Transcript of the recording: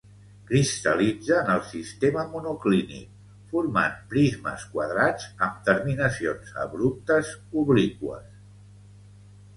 Cristal·litza en el sistema monoclínic, formant prismes quadrats amb terminacions abruptes obliqües.